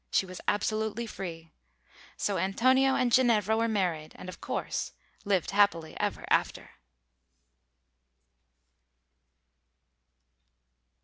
She was absolutely free! So Antonio and Ginevra were married, and of course, "lived happily ever after."